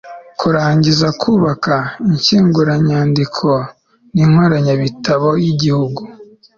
kurangiza kubaka inshyinguranyandiko n'inkoranyabitabo y'igihugu